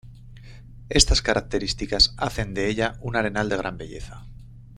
Estas características hacen de ella un arenal de gran belleza.